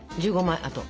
１５枚あと。